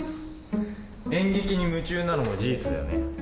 「演劇に夢中」なのも事実だよね。